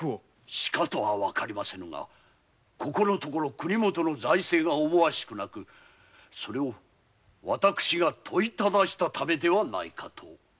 しかとはわかりませぬが最近国元の財政が思わしくなくそれを私が問い質したためではないかと。